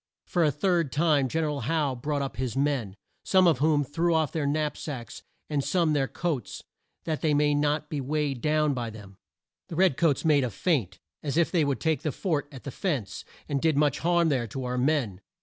For a third time Gen er al Howe brought up his men, some of whom threw off their knap sacks and some their coats that they might not be weighed down by them. The red coats made a feint as if they would take the fort at the fence, and did much harm there to our men.